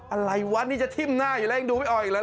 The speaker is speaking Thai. อะไรวะนี่จะทิ้มหน้าอยู่แล้วยังดูไม่ออกแล้ว